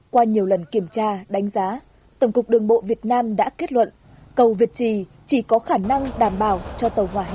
qua nhiều lần kiểm tra đánh giá tổng cục đường bộ việt nam đã kết luận cầu việt trì chỉ có khả năng đảm bảo cho tàu hỏa